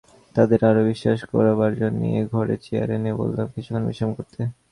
তাদের আরো বিশ্বাস করাবার জন্যে এ ঘরেই চেয়ার এনে বললাম কিছুক্ষণ বিশ্রাম করতে।